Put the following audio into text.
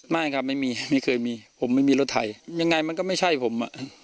ไม่ครับไม่มีไม่เคยมีผมไม่มีรถไถยังไงมันก็ไม่ใช่ผมอ่ะ